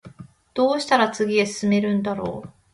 どうしたら次へ進めるんだろう